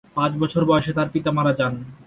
পাঁচ বছর বয়সে তার পিতা মারা যান।